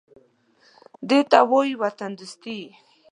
_دې ته وايي وطندوستي.